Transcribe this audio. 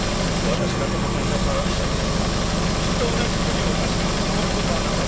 私がその国の科学者だったらきっと同じ罪を犯しても捕まる事はなかったろう。